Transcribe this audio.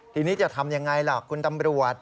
ทีนี้จะทำอย่างไรล่ะคุณตำรวจ